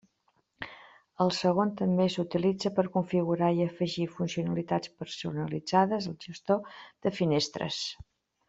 El segon també s'utilitza per configurar i afegir funcionalitats personalitzades al gestor de finestres.